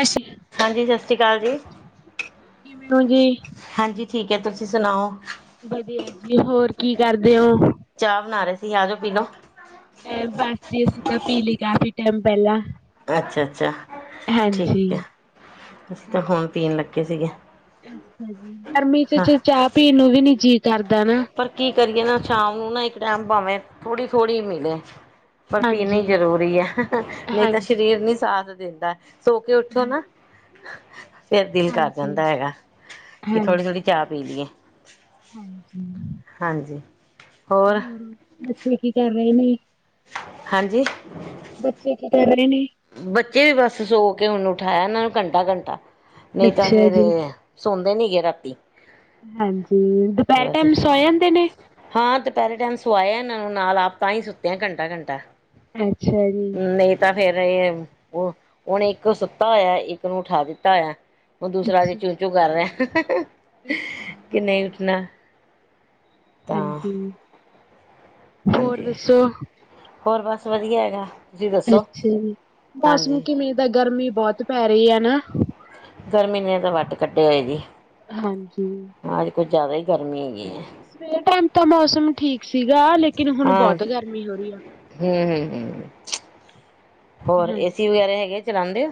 ਅੱਛਾ, ਹਾਂਜੀ ਸਤਿ ਸ਼੍ਰੀ ਅਕਾਲ ਜੀ ਕਿਵੇ ਔ ਜੀ? ਹਾਂਜੀ ਠੀਕ ਐ, ਤੁਸੀਂ ਸੁਣਾਓ? ਵਧੀਆ ਜੀ, ਹੋਰ ਕੀ ਕਰਦੇ ਹੋ? ਆਜੌ, ਪੀਲੋ ਅ ਬਸ ਜੀ ਅਸੀਂ ਤਾ ਪੀਲੀ, ਕਾਫ਼ੀ ਟੈਮ ਪੈਲਾ। ਅੱਛਾ, ਅੱਛਾ। ਹਾਂਜੀ। ਠੀਕ ਹੈ ਅਸੀਂ ਤਾਂ ਹੁਣ ਪੀਣ ਲੱਗੇ ਸੀਗੇ। ਅੱਜ ਗਰਮੀ, ਗਰਮੀ ਚ ਹਾਂ ਚ ਚਾਹ ਪੀਣ ਨੂੰ ਵੀ ਨੀ ਜੀ ਕਰਦਾ ਨਾ। ਕਿਉਕਿ ਸ਼ਾਮ ਨੂੰ ਨਾ, ਇੱਕ ਟਾਈਮ ਭਾਵੇਂ ਥੋੜੀ-ਥੋੜੀ ਮਿਲੇ। ਪਰ ਪੀਨੀਂ ਹਾਂਜੀ, ਜ਼ਰੂਰੀ ਹੈ। ਨਹੀਂ ਤਾਂ ਹਾਂਜੀ, ਸ਼ਰੀਰ ਨੀ ਸਾਥ ਦਿੰਦਾ ਸੋ ਕੇ ਉਠੋ ਹਾਂ ਨਾ [inaudible] ਫਿਰ ਦਿਲ ਕਰ ਹਾਂਜੀ। ਜਾਂਦਾ ਹੈਗਾ। ਕਿ ਹਾਂਜੀ। ਥੋੜੀ-ਥੋੜੀ ਚਾਹ ਪੀ ਲਈਏ। [unintelligible] ਹਾਂਜੀ। ਹਾਂਜੀ। ਹੋਰ ਬੱਚੇ ਕੀ ਕਰ ਰਹੇ ਨੇ। ਹਾਂਜੀ ਬੱਚੇ ਕੀ ਕਰ ਨਈ ਨੀ ਬੱਚੇ ਵੀ ਬਸ ਸੋ ਕੇ ਹੁੰਨ ਉਠਾਇਆ ਇਹਨਾਂ ਨੂੰ ਘੰਟਾ-ਘੰਟਾ ਨਹੀਂ ਤਾਂ ਅੱਛਾ ਫੇਰ, ਜੀ। ਸੌ ਦੇ ਨੀ ਗੇ ਰਾਤੀ। ਹਾਂਜੀ, ਦੁਪਹਿਰ ਟਾਈਮ ਸੋ ਜਾਂਦੇ ਨੇ- ਪਹਿਲੇ ਟਾਈਮ ਸਵਾਇਆ ਇਹਨਾਂ ਨੂੰ ਨਾਲ ਆਪ ਤਾਂ ਹੀ ਸੁੱਤੇਆ ਘੰਟਾ ਘੰਟਾ ਅੱਛਾ ਜੀ। ਨਹੀਂ, ਉਹ, ਹੁਣ ਇੱਕ ਓਹ ਸੁੱਤਾ ਹੋਇਆ, ਇੱਕ ਨੂੰ ਉਠਾ ਦਿੱਤਾ ਹੋਇਆ। ਓਹ ਦੂਸਰਾ ਹਜੇ ਅੱਛਾ, ਚੂੰ- ਚੂੰ ਕਰ ਰਿਹਾ। [unintelligible] ਕਿ ਨਹੀਂ ਉੱਠਣਾ ਤਾਂ ਹਾਂਜੀ। ਹੋਰ ਹਾਂਜੀ ਦੱਸੋ ਹੋਰ ਬਸ ਵਧੀਆ ਹੈਗਾ। ਤੁਸੀਂ ਦੱਸੋ ਅੱਛਾ ਜੀ, ਮੌਸਮ ਹਾਂਜੀ ਕਿਵੇਂ ਦਾ। ਗਰਮੀ ਬਹੁਤ ਪੈ ਰਹੀ ਹੈ ਨਾ, ਗਰਮੀ ਨੇ ਤਾਂ ਵੱਟ ਕੱਢੇ ਹੋਏ ਜੀ ਹਾਂਜੀ। ਅੱਜ ਕੁੱਝ ਜ਼ਿਆਦਾ ਹੀ ਗਰਮੀ ਹੈਗੀ ਏ। ਸਵੇਰ ਟਾਈਮ ਤਾਂ ਮੌਸਮ ਠੀਕ ਸੀਗਾ, ਲੇਕਿਨ ਹੁਣ ਬਹੁਤ ਗਰਮੀ ਹੋ ਰਹੀ ਆ। ਹਮ ਹੋਰ ਏਸੀ ਹਾਂਜੀ। ਵਗੈਰਾ ਹੈਗੇ? ਚਲਾਉਦੇ ਹੋ?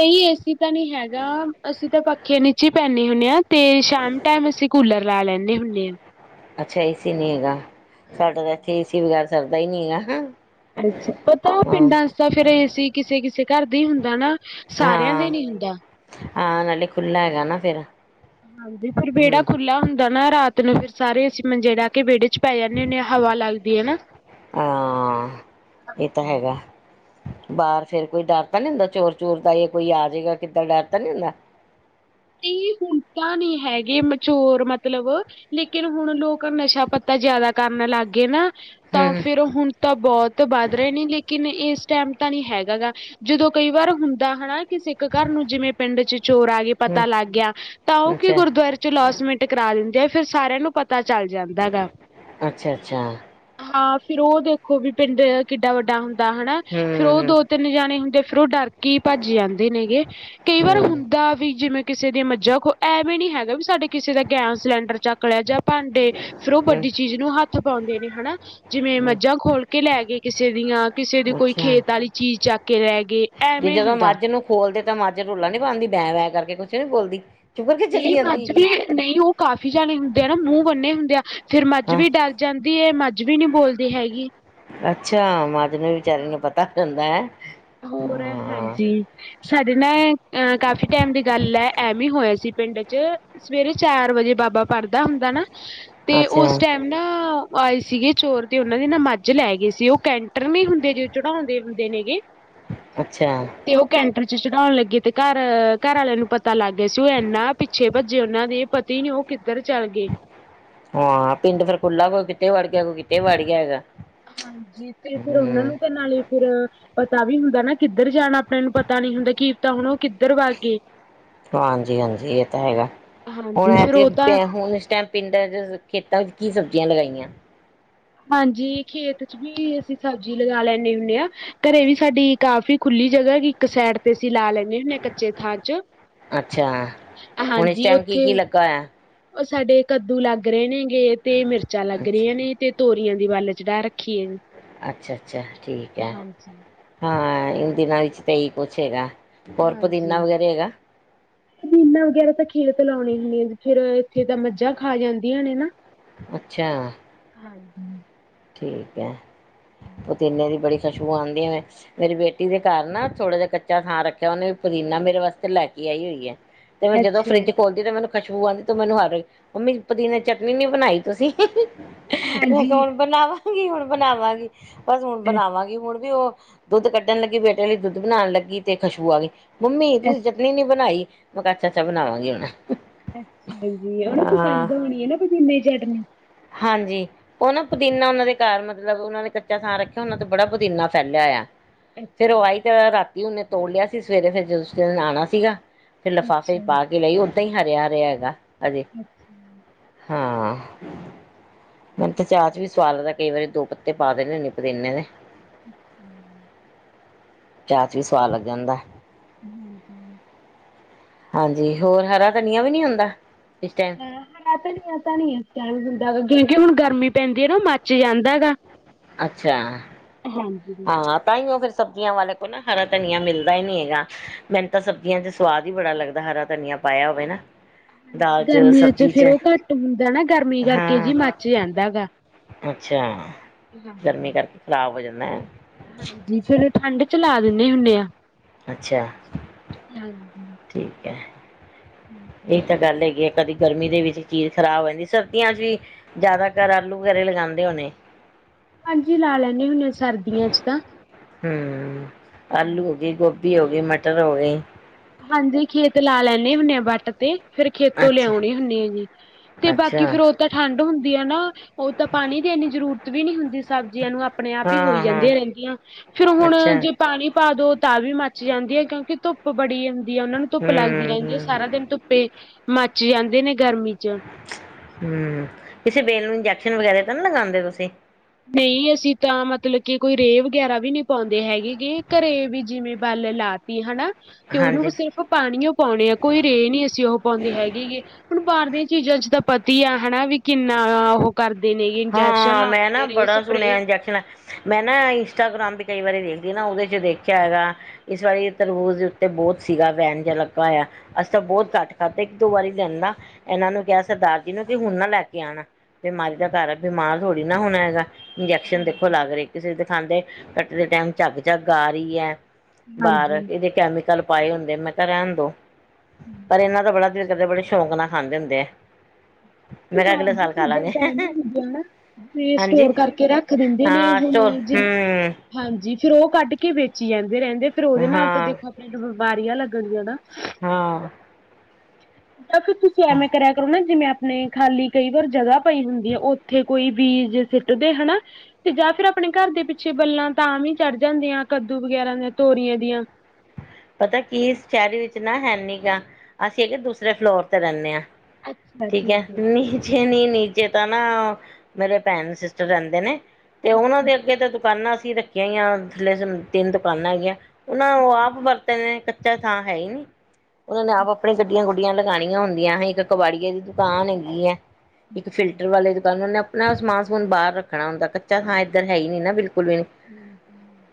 ਨਹੀਂ ਏਸੀ ਤਾਂ ਨਹੀਂ ਹੈਗਾ। ਅਸੀਂ ਤਾਂ ਪੱਖੇ ਨੀਚੇ ਪੈਂਨੇ ਹੁੰਦੇ ਹਾਂ। ਤੇ ਸ਼ਾਮ ਟਾਈਮ ਅਸੀਂ ਕੂਲਰ ਲਾ ਲੈਂਦੇ ਹੁੰਦੇ। ਏਮ ਅੱਛਾ ਏੇਸੀ ਨਹੀਂ ਹੈਗਾ। ਸਾਡੇ ਤਾਂ ਇਥੇ ਏ ਏ ਸੀ ਬਗੈਰ ਸਰਦਾ ਹੀ ਨੀਗਾ। ਹੰ ਅੱਛਾ, ਪਤਾ ਪਿੰਡਾਂ ਚ ਤਾਂ ਫਿਰ ਏ ਸੀ ਕਿਸੇ ਕਿਸੇ ਘਰ ਦੇ ਹੀ ਹੁੰਦਾ ਨਾ, ਸਾਰਿਆਂ ਹਾਂ, ਦੇ ਨੀ ਹੁੰਦਾ। ਹਾਂ ਨਾਲੇ ਖੁੱਲਾ ਹੈਗਾ ਨਾ ਤੇਰਾ ਹਾਂਜੀ, ਫਿਰ ਵਿਹੜਾ ਖੁੱਲਾ ਹੁੰਦਾ ਹੈ ਣਾ ਰਾਤ ਨੂੰ ਫਿਰ ਸਾਰੇ ਅਸੀਂ ਮੰਜੇ ੜਾਹ ਕੇ ਵਿਹੜੇ ਚ ਪੈ ਜਾਨੇ ਹੁੰਦੇ ਆ, ਹਵਾ ਲੱਗਦੀ ਹੈ ਨਾ। ਹਾਂ। ਇਹ ਤਾਂ ਹੈਗਾ ਬਾਹਰ ਫੇਰ ਕੋਈ ਡਰ ਤਾਂ ਨਹੀ ਹੁੰਦਾ ਚੋਰ ਚੂਰ ਦਾ, ਯਾ ਕੋਈ ਆ ਜੇਗਾ ਕਿੱਦਾਂ ਡਰ ਤਾਂ ਨਹੀਂ ਹੁੰਦਾ? ਨਹੀਂ, ਹੁਣ ਤਾਂ ਨਹੀਂ ਹੈਗੇ ਮੇਚੋਰ ਮਤਲਬ, ਲੇਕਿਨ ਹੁਣ ਲੋਕ ਨਸ਼ਾ ਪੱਤਾ ਜ਼ਿਆਦਾ ਕਰਨ ਲੱਗ ਗਏ ਨਾ। ਤਾਂ ਹੂੰ, ਫੇਰ ਹੁਣ ਤਾਂ ਬਹੁਤ ਵੱਧ ਰਹੇ ਨੇ, ਲੇਕਿਨ ਇਸ ਟਾਈਮ ਤਾਂ ਨਹੀਂ ਹੈਗਾ ਗਾ, ਜਦੋਂ ਕਈ ਵਾਰ ਹੁੰਦਾ ਹੈਨਾਂ, ਕਿਸੇ ਕ ਘਰ ਨੂੰ ਜਿਵੇਂ ਪਿੰਡ ਚ ਚੋਰ ਆ ਗਏ ਹੂੰ, ਪਤਾ ਲੱਗ ਗਿਆ ਤਾਂ ਉਹ ਕੀ ਅੱਛਾ, ਗੁਰਦੁਆਰੇ ਚ' ਲੋਸ ਮਿੰਟ ਕਰਾ ਦਿੰਦੇ ਆ। ਫਿਰ ਸਾਰਿਆਂ ਨੂੰ ਪਤਾ ਤਾਂ ਚੱਲ ਜਾਂਦਾ ਗਾ ਅੱਛਾ, ਅੱਛਾ ਹਾਂ ਫਰ ਉਹ ਦੇਖੋ ਵੀ ਪਿੰਡ ਕਿੱਡਾ ਵੱਡਾ ਹੁੰਦਾ ਹਨਾ ਫੇਰ ਹੂੰ, ਉਹ ਹੂੰ। ਦੋ ਤਿੰਨ ਜਾਣੇ ਹੁੰਦੇ ਫੇਰ ਉਹ ਡਰ ਕੇ ਭੱਜ ਜਾਂਦੇ ਨੇਗੇ ਕਈ ਵਾਰ ਹੂੰ, ਹੁੰਦਾ ਵੀ ਜਿਵੇ ਕਿਸੇ ਦੀਆਂ ਮੱਝਾਂ ਕੋ ਇਹ ਵੀ ਨੀ ਹੈਗਾ ਵੀ ਸਾਡੇ ਕਿਸੇ ਦਾ ਗੈਸ ਸਿਲੰਡਰ ਚੱਕ ਲਿਆ ਜਾਂ ਭਾਂਡੇ ਫੇਰ ਉਹ ਹੂੰ, ਵੱਡੀ ਚੀਜ਼ ਨੂੰ ਹੱਥ ਪਾਉਂਦੇ ਨੇ ਹਨਾ ਜਿਵੇਂ ਹੂੰ ਮੱਝਾਂ ਖੋਲ ਕੇ ਲੈ ਗਏ ਕਿਸੇ ਦੀਆਂ ਕਿਸੇ ਦੀ ਕੋਈ ਅੱਛਾ ਖੇਤ ਵਾਲੀ ਚੀਜ਼ ਚੱਕ ਕੇ ਲੈ ਗਏ ਜੇ ਐਵੇਂ ਜਦੋਂ ਹੁੰਦਾ। ਮੱਝ ਨੂੰ ਖੋਲਦੇ ਤਾਂ ਮੱਝ ਰੋੱਲਾ ਨੀ ਪਾਉਂਦੀ ਬੈਂ ਵੈਂ ਕਰਕੇ ਕੁਛ ਨੀ ਬੋਲਦੀ ਚੁੱਪ ਕਰਕੇ ਚਲੀ ਨਹੀਂ ਜਾਂਦੀ ਮੱਝ ਵੀ ਸੀ। ਨਹੀਂ ਉਹ ਕਾਫੀ ਜਾਣੇ ਹੁੰਦੇ ਨਾ ਮੂੰਹ ਬੰਨੇ ਹੁੰਦੇ ਆ ਫੇਿਰ ਮੱਝ ਹਾਂ, ਵੀ ਡਰ ਜਾਂਦੀ ਹੈ। ਮੱਝ ਅੱਜ ਵੀ ਨਹੀ ਬੋਲਦੀ ਹੈਗੀ। ਅੱਛਾ ਮੱਝ ਜਿੰਵੇੇ ਵਿਚਾਰਾਰੇ ਨੂੰ ਪਤਾ ਹੁੰਦਾ ਹੈ। ਹੋਰ ਰ ਹਾਂ। ਹਾਂਜੀ। ਸਾਡੇ ਨਾਏ ਅ ਕਾਫੀ ਟਾਈਮ ਦੀ ਗੱਲ ਹੈ। ਐਵੇ ਹੀ ਹੋਇਆ ਸੀ ਪਿੰਡ ਚ ਸਵੇਰੇ ਚਾਰ ਵਜੇ ਬਾਬਾ ਪੜ੍ਹਦਾ ਹੁੰਦਾ ਨਾ ਤੇ ਅੱਛਾ, ਉਸ ਟਾਈਮ ਨਾ ਆਏ ਸੀਗੇ ਚੋਰ ਤੇ ਉਹਨਾਂ ਦੇ ਨਾ ਮੱਝ ਲੈ ਗਏ ਸੀ ਉਹ ਕੈਂਟਰ ਨਹੀਂ ਹੁੰਦੇ ਜ ਚੜਾਉਂਦੇ ਹੁੰਦੇ ਨੇਗੇ ਅੱਛਾ ਤੇ ਉਹ ਕੈਂਟਰ ਚ ਚੜ੍ਹਾਉਣ ਲੱਗੇ ਤੇ ਘਰ- ਘਰ ਵਾਲਿਆਂ ਨੂੰ ਪਤਾ ਲੱਗ ਗਿਆ ਸੀ, ਉਹ ਇਨਾ ਪਿੱਛੇ ਭੱਜੇ ਉਹਨਾਂ ਦੇ ਇਹ ਪਤਾ ਨੀ ਉਹ ਕਿੱ ਹਾਂ ਪਿੰਡ ਫੇਰ ਖੁਲਾ ਕੋਈ ਕਿ ਕਿਤੇ ਵੜ ਗਿਆ ਕੋਈ ਕਿਤੇ ਵੜ ਗਿਆ ਹੈਗਾ ਹਾਂਜੀ ਤੇ ਫਿਰ ਉਹਨਾਂ ਹੂੰ। ਨੂੰ ਤੇ ਨਾਲੇ ਫਿਰ ਪਤਾ ਵੀ ਹੁੰਦਾ ਨਾ ਕਿੱਧਰ ਜਾਣਾ ਆਪਣੇ ਨੂੰ ਪਤਾ ਨੀ ਹੁੰਦਾ ਕੀ ਪਤਾ ਹੁਣ ਉਹ ਕਿੱਧਰ ਵਗ ਗਏ ਹਾਂਜੀ- ਹਾਂਜੀ ਇਹ ਤਾਂ ਹੈਗਾ ਹੁਣ ਹਾਂਜੀ ਫਿਰ ਉਹ ਤਾਂ ਐ ਹੁਣ ਇਸ ਟਾਈਮ ਪਿੰਡਾਂ ਚ ਖੇਤਾਂ ਚ ਕੀ ਸਬਜ਼ੀਆਂ ਲਗਾਈਆਂ। ਹਾਂਜੀ ਖੇਤ ਚ ਵੀ ਅਸੀਂ ਸਬਜ਼ੀ ਲਗਾ ਲੈਂਦੇ ਹੁੰਦੇ ਆਂ, ਘਰੇ ਵੀ ਸਾਡੀ ਕਾਫ਼ੀ ਖੁੱਲੀ ਜਗ੍ਹਾ ਇੱਕ ਸਾਈਡ ਤੇ ਅਸੀਂ ਲਾ ਲੈਂਦੇ ਹੁੰਦੇ ਕੱਚੇ ਥਾਂ ਚ ਅੱਛਾ ਹੁਣ ਇਸ ਹਾਂਜੀ ਟਾਈਮ ਕੀ ਉੱਥੇ ਕੀ ਲੱਗਾ ਹੋਇਆ ਉਹ ਸਾਡੇ ਕੱਦੂ ਲੱਗ ਰਹੇ ਨੇ। ਤੇ ਮਿਰਚਾਂ ਲੱਗ ਅੱਛਾ ਰਹੀਆਂ ਨੇ ਤੇ ਤੋਰੀਆਂ ਦੀ ਵੱਲ ਚੜਾਹ ਰੱਖੀਏ ਜੀ ਅੱਛਾ -ਅੱਛਾ ਠੀਕ ਹੈ ਹਾਂਜੀ ਹੂੰ। ਇਹ ਦਿਨਾਂ ਵਿੱਚ ਇਹੀ ਕੁੱਛ ਹੈਗਾ। ਹੋਰ ਹਾਂਜੀ ਪੁਦੀਨਾ ਵਗੈਰਾ ਹੈਗਾ। ਪਦੀਨਾ ਵਗੈਰਾ ਤਾਂ ਖੇਤ ਲਾਉਣੇ ਹੁੰਦੇ ਆ ਫੇਰ ਇੱਥੇ ਤਾਂ ਮੱਝਾਂ ਖਾ ਜਾਂਦੀਆਂ ਨੇ ਨਾ ਅੱਛਾ ਹਾਂਜੀ ਠੀਕ ਐ। ਹੂੰ, ਹੂੰ ਖੁਸਬੂ ਆਦੀ ਆ ਮੇਰੀ ਬੇਟੀ ਦੇ ਘਰ ਨਾ ਥੋੜਾ ਜਿਹਾ ਕੱਚਾ ਥਾਂ ਰੱਖਿਆ ਉਹਨੇ ਵੀ ਪੁਦੀਨਾ ਮੇਰੇ ਵਾਸਤੇ ਲੈ ਕੇ ਆਈ ਹੋਈ ਹੈ। ਤੇ ਮੈਂ ਜਦੋਂ ਅੱਛਾ ਫਰਿੱਜ ਖੋਲਦੀ ਤੇ ਮੈਨੂੰ ਖੁਸ਼ਬੂ ਆਉਂਦੀ ਤੇ ਮੈਨੂੰ ਹਰ ਰਈ ਮੰਮੀ ਪੁਦੀਨੇ ਦੀ ਚਟਨੀ ਨੀ ਬਣਾਈ ਤੁਸੀਂ। ਮੈਂ ਕਿਹਾ ਹਾਂਜੀ ਹੁਣ ਮੈਗੀ ਹੁਣ ਬਣਾਵਾਂਗੀ। ਬਸ ਹੁਣ ਬਣਾਵਾਂਗੀ ਹੁਣ ਵੀ ਉਹ ਦੁੱਧ ਕੱਢਣ ਲੱਗੀ ਬੇਟੇ ਲਈ ਦੁੱਧ ਬਣਾਉਣ ਲੱਗੀ ਤੇ ਖੁਸ਼ਬੂ ਆ ਗਈ ਮੰਮੀ ਤੁਸੀਂ ਚਟਨੀ ਨੀ ਬਣਾਈ ਮੈਂ ਕਿਹਾ ਅਛਾ ਚਲ ਬਣਾਵਾਂਗੀ ਹੁਣ ਅੱਛਾ ਜੀ ਉਹ ਨਾ ਹਾਂ ਪਸੰਦ ਹੋਣੀ ਆ ਨਾ ਪੁਦੀਨੇ ਦੀ ਚਟਨੀ ਹਾਂਜੀ ਉਹ ਨਾ ਪੁਦੀਨਾ ਉਹਨਾ ਦੇ ਘਰ ਮਤਲਬ ਉਹਨਾਂ ਨੇ ਕੱਚਾ ਸਾਂ ਰੱਖਿਆ ਉਹਨਾਂ ਤੇ ਬੜਾ ਪੁਦੀਨਾ ਫੈਲਿਆ ਹੋਇਆ ਫੇਰ ਉਹ ਆਈ ਅੱਛਾ ਤੇ ਰਾਤੀ ਉਹਨੇ ਤੋੜ ਲਿਆ ਸੀ ਸਵੇਰੇ ਫਿਰ ਜਦ ਉਸ ਦਿਨ ਆਉਣਾ ਸੀਗਾ ਫਿਰ ਲਿਫਾਫੇ ਅੱਛਾ ਪਾ ਕੇ ਲਈ ਦਾਂ ਹੀ ਹਰਿਆ ਰਿਹਾ ਹੈਗਾ ਹਜੇ ਅੱਛਾ। ਹਾਂ ਮੈਨੂੰ ਤੇ ਚਾਹ ਅ ਚ ਵੀ ਸਵਾਦ ਲੱਗਦਾ ਕਈ ਵਾਰੀ ਦੋ ਪੱਤੇ ਪਾ ਦੇਣੇ ਹੁੰਨੇ ਪੁਦੀਨੇ ਦੇ [inaudible] ਚਾ ਚ ਵੀ ਸਵਾਦ ਲੱਗ ਜਾਂਦਾ [inaudible] ਹਾਂਜੀ ਹੋਰ ਹਰਾ ਧਨੀਆ ਵੀ ਨਹੀਂ ਹੁੰਦਾ ਇਸ ਟਾਈਮ ਹ ਹਾਂ ਧਣੀਆਂ ਧਨੀਆਂ ਤਾ ਨੀ ਹੈ ਜਿਦਾ ਕਿਉਂਕਿ ਹੁਣ ਗਰਮੀ ਪੈਂਦੀ ਹੈ ਨਾ ਮੱਚ ਜਾਂਦਾ ਹੈ ਗਗਾ ਅੱਛਾ ਹਾਂ ਤਾਂਹੀਓ ਫੇਰ ਸਬਜ਼ੀਆਂ ਵਾਲੇ ਕੋ ਨਾ ਹਰਾ ਧਨੀਆ ਮਿਲਦਾ ਹੀ ਨਹੀਂ ਹੈਗਾ ਮੈਨੂੰ ਤਾਂ ਸਬਜ਼ੀਆਂ ਚ ਸਵਾਦ ਹੀ ਬੜਾ ਲੱਗਦਾ ਹਰਾ ਧਨੀਆ ਪਾਇਆ ਹੋਵੇ ਨਾ ਗਰਮੀਆਂ ਚ ਫੇਰ ਉਹ ਘੱਟ ਹੁੰਦਾ ਨਾ ਗਰਮੀ ਕਰਕੇ ਜੀ ਹਾਂ ਮੱਚ ਜਾਂਦਾ ਗਾ ਅੱਛਾ ਗਰਮੀ ਕਰਕੇ ਖ਼ਰਾਬ ਹੋ ਜਾਂਦਾ। ਮੈਂ ਹਾਂਜੀ ਫਿਰ ਠੰਡ ਚ ਲਾ ਦਿੰਦੇ ਹੁੰਦੇ ਆ। ਅੱਛਾ ਹਾਂਜੀ। ਠੀਕ ਹੈ। ਇਹ ਤਾਂ ਗੱਲ ਹੈਗੀ ਹੈ [unintelligible] ਕਦੀ ਗਰਮੀ ਦੇ ਵਿੱਚ ਚੀਜ਼ ਖ਼ਰਾਬ ਹੋ ਜਾਂਦੀ ਸਰਦੀਆਂ ਚ ਵੀ ਜ਼ਿਆਦਾਤਰ ਆਲੂ ਵਗੈਰੇ ਲਗਾਉਂਦੇ ਹੋਣੇ ਹਾਂਜੀ ਲਾ ਲੈਂਦੇ ਹੁੰਣੇ ਅਸੀਂ ਸਰਦੀਆਂ ਚ ਤਾਂ ਹੂੰ ਆਲੂ ਹੋ ਗਈ ਗੋਭੀ ਹੋ ਗਈ ਮਟਰ ਰ ਗ ਹਾਂਜੀ ਖੇਤ ਲਾ ਲੈਦੇ ਹੁਨੇ ਵੱਟ ਤੇ ਫੇਰ ਖੇਤੋਂ ਅੱਛਾ ਲਿਆਉਣੇ ਹੁੰਦੇ ਆ ਜੀ ਤੇ ਅੱਛਾ ਬਾਕੀ ਫੇਰ ਉਹ ਤਾਂ ਠੰਢ ਹੁੰਦੀ ਦੀ ਨਾ ਉਹ ਤਾਂ ਪਾਣੀ ਦੀ ਇੰਨੀ ਜ਼ਰੂਰਤ ਵੀ ਨਹੀਂ ਹੁੰਦੀ ਸਬਜ਼ੀਆਂ ਨੂੰ ਆਪਣੇ ਆਪ ਹੀ ਹੋਈ ਹਾਂ ਹਾਂ ਜਾਂਦੀਆਂ ਰਹਿੰਦੀਆਂ ਫੇਰ ਹੁਣ ਅੱਛਾ ਜੇ ਪਾਣੀ ਪਾ ਦੋ ਤਾਂ ਵੀ ਮੱਚ ਜਾਂਦੀ ਹੈ ਕਿਉਂਕਿ ਧੁੱਪ ਬੜੀ ਉਹਨਾ ਨੂੰ ਧੁੱਪ ਲੱਗਦੀ ਹਮ ਰਹਿੰਦੀ ਹੈ ਹਮ ਸਾਰਾ ਦਿਨ ਧੁੱਪੇ ਮੱਚ ਜਾਂਦੇ ਨੇ ਗਰਮੀ। ਚ ਹਮ ਕਿਸੇ ਬੇਲ ਨੂੰ ਨੀ ਜਾਣਾ ਵਗੈਰਾ ਤਾਂ ਨਹੀਂ ਲਗਾਉਂਦੇ ਤੁਸੀਂ ਨਹੀਂ ਅਸੀਂ ਤਾਂ ਮਤਲਬ ਕਿ ਕੋਈ ਰੇਹ ਵਗੈਰਾ ਵੀ ਨਹੀਂ ਪਾਉਂਦੇ ਹੈਗੇਗੇ ਘਰੇ ਵੀ ਜਿਵੇਂ ਬੱਲ ਲਾ ਤ ਹਨਾ ਤੇ ਉਹਨੂੰ ਵੀ ਹਾਂਜੀ ਸਿਰਫ ਪਾਣੀਓ ਪਾਉਣੇ ਆ ਕੋਈ ਰੇ ਨੀ ਅਸੀਂ ਉਹ ਪਾਉਂਦੇ ਹੈਗੇ ਗ ਹੁਣ ਬਾਹਰ ਦੇ ਚੀਜ਼ਾਂ ਚ ਤਾਂ ਪਤੀ ਆ ਹੈਣਾ ਵੀ ਕਿੰਨਾ ਉਹ ਕਰਦੇ ਦਨ ਇੰਜੈਕਸ਼ਨ ਹਾਂ ਮੈਂ ਲਾਉਂਦੇ ਨਾ ਨੇ ਰੇਹ ਬੜਾ ਸਪਰੇ ਸੁਣਿਆ ਇੰਜੈਕ ਮੈਂ ਨਾ ਇੰਸਟਾਗ੍ਰਾਮ ਵੀ ਕਈ ਵਾਰੀ ਦੇਖਦੀ ਨਾ ਉਹਦੇ ਚ ਦੇਖਿਆ ਹੈਗਾ ਇਸ ਵਾਰੀ ਤਰਬੂਜ਼ ਦੇ ਉੱਤੇ ਬਹੁਤ ਸੀਗਾ ਬੈਂਨ ਜਿਹਾ ਲੱਗਾ ਹੋਇਆ ਅਸੀਂ ਤਾਂ ਬਹੁਤ ਘੱਟ ਖਾਧ ਇੱਕ ਦੋ ਵਾਰੀ ਲੈਂਦਾ ਇਹਨਾਂ ਨੂੰ ਕਿਹਾ ਸਰਦਾਰ ਜੀ ਨੂੰ ਕਿ ਹੁਣ ਨਾ ਲੈ ਕੇ ਆਉਣਾ ਬਿਮਾਰੀ ਦਾ ਕਾਰਨ ਬਿਮਾਰ ਥੋੜੀ ਨਾ ਹੋਣਾ ਹੈਗਾ ਇੰਜੈਕਸ਼ਨ ਦੇਖੋ ਲੱਗ ਰਹੇ ਕਿਸੇ ਦੇ ਖਾਂਦੇ ਰੋਟੀ ਦੇ ਟਾਈਮ ਝੱਗ ਝੱਗ ਆ ਰਹੀ ੲੈ। ਬਾਹਰ ਹਾਂਜੀ ਇਹਦੇੇ ਕੈਮੀਕਲ ਪਾਏ ਹੁੰਦੇ ਮੈਂ ਕਿਹਾ ਰਹਿਣ ਦੋ। ਪਰ ਇਹਨਾਂ ਦਾ ਬੜਾ ਦਿਲ ਕਰਦੇ ਬੜੇ ਸ਼ੌਕ ਨਾਲ ਖਾਂਦੇ ਹੁੰਦੇ ਏ। ਇਹ ਮੈਂ ਕਿਹਾ ਬਾਹਰ ਅਗਲੇ ਦੀ ਸਾਲ ਖਾ ਚੀਜ਼ਾਂ ਲਾਂਗੇ। ਪੈਣੀ ਤੇ ਹਾਂਜੀ ਸਟੋਰ ਕਰਕੇ ਰੱਖ ਦਿੰਦੇ ਨੇ ਹਾਂ ਹੁਣ ਸੋ ਜਿ ਹੂੰ ਹਾਂਜੀ ਫੇਰ ਉਹ ਕਾਡ ਕੇ ਵੇਚੀ ਜਾਂ ਦੇ ਰਹਿੰਦੇ ਫਿਰ ਉਹਦੇ ਨਾਲ ਤਾਂ ਹਾਂ ਦੇਖੋ ਆਪਣੀ ਵਾਰੀਆਂ ਲੱਗਣਗੀਆਂ ਨਾ। ਹਾਂ [inaudible] ਤਾਂ ਫਿਰ ਤੁਸੀਂ ਐਵੇਂ ਕਰਿਆ ਕਰੋ ਨਾ ਜਿਵੇਂ ਆਪਣੇ ਖਾਲੀ ਕਈ ਵਾਰ ਜਗ੍ਹਾ ਪਈ ਹੁੰਦੀ ਆ ਉੱਥੇ ਕੋਈ ਬੀਜ ਸਿੱਟਦੇ ਹਨਾ, ਤੇ ਜਾਂ ਫਿਰ ਆਪਣੇ ਘਰ ਦੇ ਪਿੱਛੇ ਬੇਲਾਂ ਤਾਂ ਵੀ ਚੜ ਜਾਂਦੀਆਂ ਕੱਦੂ ਵਗੈਰਾ ਦੀ, ਤੋਰੀਆਂ ਦੀਆਂ ਪਤਾ ਕੀ ਸ਼ਹਿਰੀ ਵਿੱਚ ਨਾ ਹੈ ਨੀ ਗਾਂ ਅਸੀਂ ਇਹਗੇ ਦੂਸਰੇ ਫਲੋਰ ਤੇ ਰਹਿੰਨੇ ਹਾਂ। ਠੀਕ ਹੈ ਨੀਚੇ ਨੀ ਨੀੇ ਚੇ ਤਾਂ ਨਾ ਮੇਰੇ ਭੈਣ ਸਿਸਟਰ ਰਹਿੰਦੇ ਨੇ ਤੇ ਉਹਨਾਂ ਦੇ ਅੱਗੇ ਤਾਂ ਦੁਕਾਨਾਂ ਰੱਖਿਆ ਥੱਲੇ ਤਿੰਨ ਦੁਕਾਨਾਂ ਹੈਗੀਆਂ। ਨਾ ਆਪ ਬਰ ਕੱਚਾ ਥਾਂ ਹੈ ਹੀ ਨੀ। ਉਹ ਨੇ ਆਪਣੇ ਗੱਡੀਆਂ ਗੁੱਡੀਆਂ ਲਗਾਣੀ ਆਂ ਹੁੰਦੀਆਂ ਇੱਕ ਕਬਾੜੀਏ ਦੀ ਦੁਕਾਨ ਹੈਗੀ ਹੈ। ਇੱਕ ਫਿਲਟਰ ਵਾਲੇ ਦੁਕਾਨ ਉਹਨੇ ਅਪਨਾ ਸਮਾਨ ਸਮੂਨ ਬਾਹਰ ਰੱਖਣਾ ਹੁੰਦਾ ਕੱਚਾ ਥਾਂ ਇੱਧਰ ਹੈ ਹੀ ਨੀ ਨਾ ਬਿਲ ਹੂੰ ਹੂੰ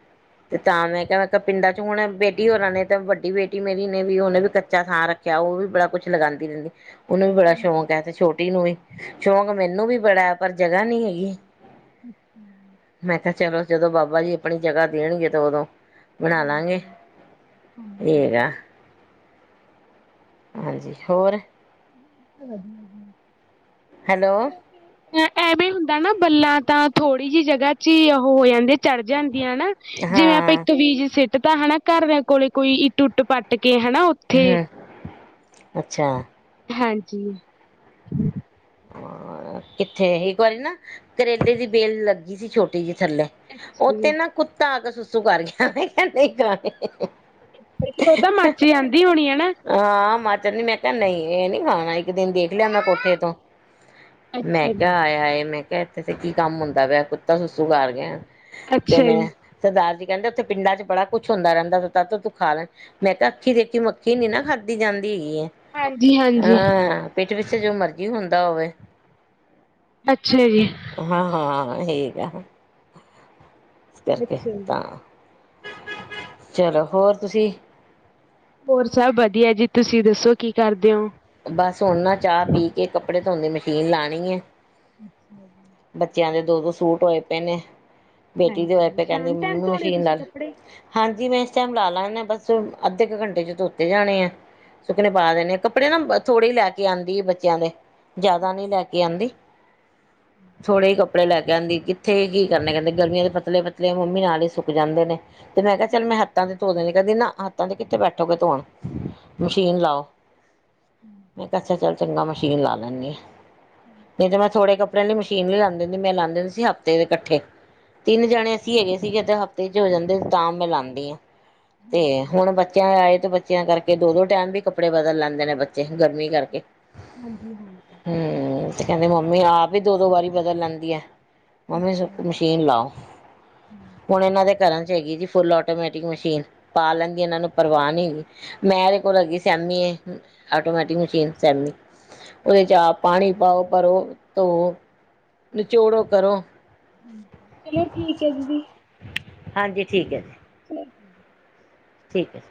ਤੇ ਤਾਂ ਮੈਂ ਕਿਹਾ ਮੈਂ ਕਿਹਾ ਪਿੰਡਾਂ ਚ ਹੁਣ ਬੇ ਬੇਟੀ ਹੋਨਾ ਨੇ ਤਾਂ ਵੱਡੀ ਬੇਟੀ ਮੇਰੀ ਨੇ ਵੀ ਉਹਨੇ ਵੀ ਕੱਚਾ ਥਾਂ ਰੱਖਿਆ ਉਹ ਵੀ ਬੜਾ ਕੁੱਛ ਲਗਾਉਂਦੀ ਰਹਿੰਦੀ। ਉਹਨੂੰ ਵੀ ਬੜਾ ਸ਼ੌਕ ਹੈ, ਤੇ ਛੋਟੀ ਨੂੰ ਵੀ। ਸ਼ੌਕ ਮੈਨੂੰ ਮੈਨੂੰ ਵੀ ਬੜਾ ਪਰ ਜਗ੍ਹਾ ਨੀ ਹੈਗੀ। ਅੱਛਾ ਮੈਂ ਕਿਹਾ ਚਲੋ ਜਦੋਂ ਬਾਬਾ ਜੀ ਆਪਣੀ ਜਗ੍ਹਾ ਦੇਣਗੇ ਤਾਂ ਉਦੋਂ ਬਣਾ ਲਾਂਗੇ। ਹੂੰ ਇਹ ਹੂੰ ਹੈਗਾ ਹਾਂਜੀ ਹੋਰ ਵਧਿਆ ਹੈਲੋ ਜੀ ਐਵੇਂ ਹੁੰਦਾ ਨਾ ਬੱਲਾਂ ਤਾਂ ਥੋੜ੍ਹੀ ਜਿਹੀ ਜਗ੍ਹਾ ਚ ਹੀ ਉਹ ਹੋ ਜਾਂਦੇ ਚੜ੍ਹ ਜਾਂਦੇ ਹਨਾ ਜਿਵੇਂ ਆਪਾਂ ਹਾਂ ਇੱਕ ਵੀ ਸਟ ਤਾਂ ਹਨਾ ਘਰਦਿਆਂ ਕੋਲ ਕੋਈ ਇੱਟ ਉੱਟ ਪੱਟ ਕੇ ਹੈ। ਉੱਥੇ ਹਮ ਅੱਛਾ ਹਾਂਜੀ ਹਾਂ। ਕਿੱਥੇ ਇੱਕ ਵਾਰੀ ਨਾ ਕਰੇਲੇ ਦੀ ਬੇਲ ਲੱਗੀ ਸੀ ਛੋਟੀ ਜੀ ਥੱਲੇ ਅੱਛਾ ਉਹਥੇ ਜੀ ਨਾ ਕੁੱਤਾ ਕੇ ਸੂਸੂ ਕਰਤਾ, ਮੈ ਕਿਆ ਨੀ ਖਾਣੀ ਉਹ ਤਾਂ ਮਾਚ ਜਾਦੀ ਹੋਣੀ ਹਨਾ। ਹਾਂ ਮੈਂ ਮਾਚਰ ਕਿਹਾ ਨਹੀਂ ਇਹ ਨੀ ਖਾਣਾ ਇੱਕ ਦਿਨ ਦੇਖ ਲਿਆ ਮੈਂ ਕੋਠੇ ਤੋਂ ਮੈਂ ਅੱਛਾ ਜੀ ਕਿਹਾ ਆਇਆ ਹੈ। ਮੈਂ ਇੱਥੇ ਤੇ ਕੀ ਕੰਮ ਹੁੰਦਾ ਵਆ ਕੁੱਤਾ ਸੱਸੂ ਕਰ ਗਿਆ ਤੇ ਅੱਛਾ ਮੈਂ ਜੀ ਸਰਦਾਰ ਜੀ ਕਹਿੰਦੇ ਉੱਥੇ ਪਿੰਡਾਂ ਚ ਬੜਾ ਕੁਛ ਹੁੰਦਾ ਰਹਿੰਦਾ ਸੀ ਤ ਤੂੰ ਖਾ ਲੈ ਮੈਂ ਕਿਹਾ ਅੱਖੀ ਦੇਖੀ ਮੱਖੀ ਨੀ ਨਾ ਖਾਧੀ ਜਾਂਦੀ ਹੈਗੀ ਹੈ। ਹਾਂਜੀ ਹਾਂਜੀ ਹਾਂ ਪਿੱਠ ਵਿੱਚ ਜੋ ਮਰਜੀ ਹੁੰਦੀ ਦਾ ਹੋਵੇ- ਅੱਛਾ ਜੀ ਹਾਂ ਹਾਂ ਹੈੇ। ਇਸ ਕਰਕੇ ਤਾਂ ਚਲੋ ਹੋਰ ਤੁਸੀਂ ਹੋਰ ਸਭ ਵਧੀਆ ਜੀ ਤੁਸੀਂ ਦੱਸੋ ਕੀ ਕਰਦੇ ਹੋ। ਟੀਨ ਲਾਣੀ ਹੈ। [inaudible] ਬੱਚਿਆਂ ਦੇ ਦੋ ਦੋ ਸੂਟ ਹੋਏ ਪਏ ਨੇ ਬੇਟੀ ਤੇ ਵੈਸੇ ਕਹਿੰਦੇ ਮੰਮੀ ਮਸ਼ੀਨ ਰਖ ਹਾਂਜੀ ਮੈਂ ਇਸ ਟਾਈਮ ਲਾ ਲੈਣੇ ਬਸ ਅੱਧੇ ਇੱਕ ਘੰਟੇ ਚ' ਧੋਤੇ ਜਾਣੇ ਆ ਸੁਕਨੇ ਪਾ ਦੇਣੇ ਆ ਕੱਪੜੇ ਨਾ ਥੋੜੇ ਲੈ ਕੇ ਆਉਂਦੀ ਹੈ। ਬੱਚਿਆਂ ਦੇ ਜ਼ਿਆਦਾ ਨਹੀ ਲੈ ਕੇ ਆਂਦੀ ਥੋੜੇ ਹੀ ਕੱਪੜੇ ਲੈ ਕੇ ਆਂਦੀ ਕਿੱਥੇ ਕੀ ਕਰਨੇ ਕਹਿੰਦੇ ਗਰਮੀਆਂ ਦੇ ਪਤਲੇ ਪਤਲੇ ਮੰਮੀ ਨਾਲ ਹੀ ਸੁੱਕ ਜਾਂਦੇ ਨੇ ਤੇ ਮੈਂ ਕਿਹਾ ਚੱਲ ਮੈਂ ਹੱਥਾਂ ਤੇ ਤੋ ਦੇਣੇ ਕਹਿੰਦੀ ਨਾ ਹੱਥਾਂ ਤੇ ਕਿੱਥੇ ਬੈਠੋਗੇ ਧੋਣ ਮਸ਼ੀਨ ਲਾਓ ਮੈਂ ਕਿਹਾ ਅਛਾ ਚੱਲ ਚੰਗਾ ਮੈ ਮਸ਼ੀਨ ਲਾ ਲੈਂ ਨੀ ਤੇ ਜੇ ਮੈਂ ਥੋੜੇ ਕਪੜਿਆਂ ਲਈ ਮਸ਼ੀਨ ਨੀ ਲਾਦੀ ਹੁੰਦੀ ਮੈਂ ਲਾਉਂਦੀ ਹੂੰਦੀ ਸੀ ਹਫ਼ਤੇ ਦੇ ਕੱਠੇ ਤਿੰਨ ਜਾਣੇ ਅਸੀਂ ਹੈਗੇ ਸੀਗੇ ਹਫਤੇ ਤੇ ਜੇ ਹੋ ਜਾਂਦੇ ਤਾਂ ਮੈਂ ਲਾਂਦੀ ਆ। ਤੇ ਹੁਣ ਬੱਚਿਆਂ ਆਏ ਤੇ ਬੱਚਿਆ ਕਰਕੇ ਦੋ-ਦੋ ਟੈਮ ਵੀ ਕੱਪੜੇ ਬਦਲ ਲੈਂਦੇ ਨੇ ਬੱਚੇ, ਗਰਮੀ ਕਰਕੇ ਹਾਂਜੀ, ਹਾਂਜੀ। ਹੂੰ ਤੇ ਕਹਿੰਦੇ, ਮੰਮੀ ਆਪ ਹੀ ਦੋ-ਦੋ ਵਾਰੀ ਬਦਲ ਲੈਂਦੀ ਆ ਮੰਮੀ ਮਸ਼ੀਨ ਲਾਓ। ਹੁਣ ਇਹਨਾਂ ਦੇ ਘਰਾਂ ਚ ਹੈਗੀ ਜੀ ਫੁੱਲ ਆਟੋਮੈਟਿਕ ਮਸ਼ੀਨ ਪਾ ਲੈਂ ਦੀ, ਇਹਨਾਂ ਨੂੰ ਪਰਵਾਹ ਨਹੀਂਗੀ। ਮੈਂ ਰੇ ਕੋਲ ਹੈਗੀ ਸੀ ਐਮੀ ਆਟੋਮੈਟਿਕ ਮਸ਼ੀਨ ਸੈਮੀ ਉਹਦੇ ਚ ਆ ਪਾਣੀ ਪਾਓ, ਪਰੋ, ਤੋਂਔ ਚਲੋ, ਠੀਕ ਹੈ ਦੀਦੀ। ਹਾਂਜੀ, ਠੀਕ ਹੈ ਜੀ। ਠੀਕ ਹੈ।